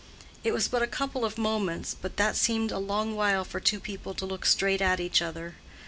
It was but a couple of moments, but that seemed a long while for two people to look straight at each other.